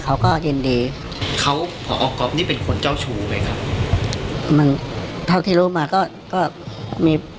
เขาก็ยินดีเขาพอก๊อฟนี่เป็นคนเจ้าชู้ไหมครับมันเท่าที่รู้มาก็ก็มี